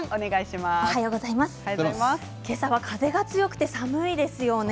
今朝は風が強くて寒いですよね。